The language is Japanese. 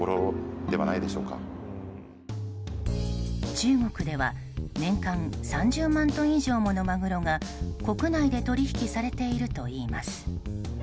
中国では年間３０万トン以上ものマグロが国内で取引されているといいます。